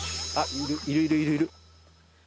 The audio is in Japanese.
いるいるいるいる！